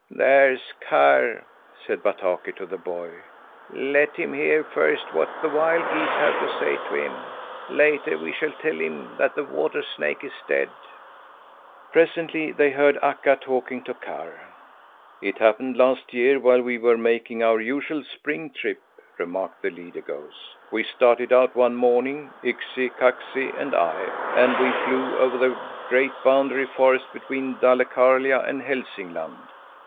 "There's Karr," said Bataki to the boy. "Let him hear first what the wild geese have to say to him; later we shall tell him that the water snake is dead." Presently they heard Akka talking to Karr. "It happened last year while we were making our usual spring trip," remarked the leader goose. "We started out one morning Yksi, Kaksi, and I, and we flew over the great boundary forests between Dalecarlia and Hälsingland.